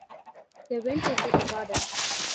They went into the garden.